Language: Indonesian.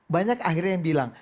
banyak akhirnya yang bilang